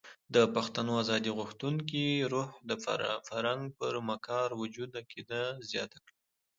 د پښتنو ازادي غوښتونکي روح د فرنګ پر مکار وجود عقیده زیاته کړه.